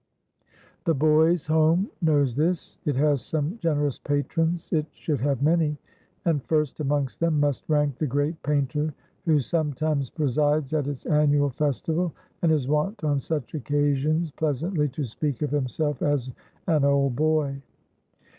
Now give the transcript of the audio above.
The Boys' Home knows this. It has some generous patrons (it should have many!), and first amongst them must rank the great painter who sometimes presides at its annual festival, and is wont on such occasions pleasantly to speak of himself as "an old boy."